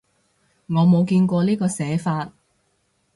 我冇見過呢個寫法